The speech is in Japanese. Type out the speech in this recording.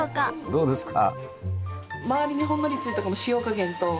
どうですか？